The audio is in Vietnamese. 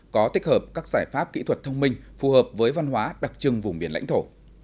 có tích hợp các giải pháp kỹ thuật thông minh phù hợp với văn hóa đặc trưng vùng biển lãnh thổ